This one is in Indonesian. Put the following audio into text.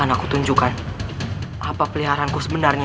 akan aku tunjukkan apa peliharaanku sebenarnya